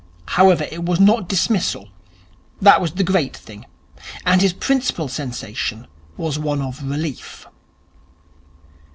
However, it was not dismissal. That was the great thing. And his principal sensation was one of relief.